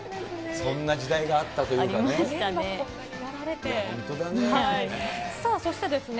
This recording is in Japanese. そんな時代があったっていうかね。